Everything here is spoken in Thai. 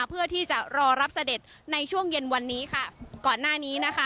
เพื่อที่จะรอรับเสด็จในช่วงเย็นวันนี้ค่ะก่อนหน้านี้นะคะ